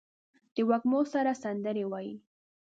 د وږمو سره سندرې وايي